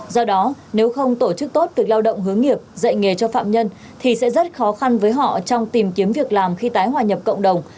do đó nếu không tổ chức tốt việc lao động hướng nghiệp dạy nghề cho phạm nhân thì sẽ rất khó khăn với họ trong tìm kiếm việc làm khi tái hòa nhập cộng đồng